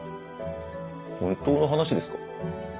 本当の話ですか？